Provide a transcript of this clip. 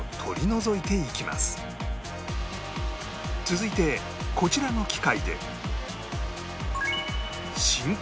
続いてこちらの機械で